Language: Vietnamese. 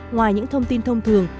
ngoài những thông tin thông thường